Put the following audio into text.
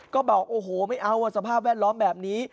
ก็บอกโอ้โหไม่เอาสภาพแวดล้อมแบบนี้